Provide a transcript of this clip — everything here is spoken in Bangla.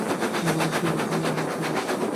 প্রিয়তম বন্ধুর সাথে খেলছি, আমার যমজ ভাই।